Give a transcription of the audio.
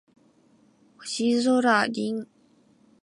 星空凛